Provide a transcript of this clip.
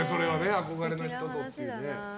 憧れの人とっていうね。